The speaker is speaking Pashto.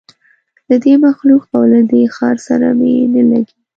له دې مخلوق او له دې ښار سره مي نه لګیږي